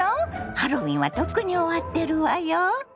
ハロウィーンはとっくに終わってるわよ。